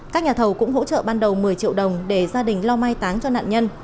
các nhà thầu cũng hỗ trợ ban đầu một mươi triệu đồng để gia đình lo mai táng cho nạn nhân